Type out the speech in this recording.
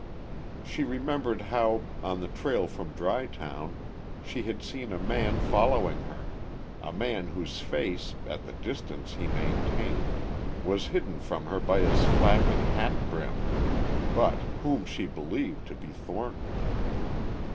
She remembered how, on the trail from Dry Town, she had seen a man following her, a man whose face, at the distance he maintained, was hidden from her by his flapping hat brim, but whom she believed to be Thornton.